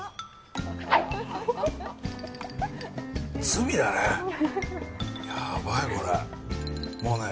罪だね。